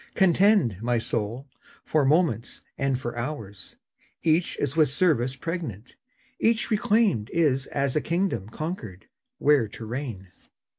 Contend, my soul, for moments and for hours; Each is with service pregnant; each reclaimed Is as a kingdom conquered, where to reign.